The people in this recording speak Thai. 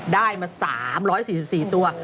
ได้มา๓๔๔ตัว